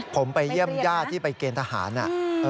ผมไปเยี่ยมญาติที่ไปเกณฑ์ทหารน่ะ